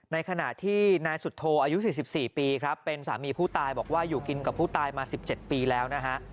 ในขณะที่นายสุโธอายุ๔๔ปีครับเป็นสามีผู้ตายบอกว่าอยู่กินกับผู้ตายมา๑๗ปีแล้วนะฮะ